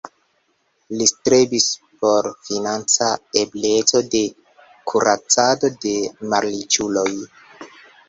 Li strebis por financa ebleco de kuracado de malriĉuloj.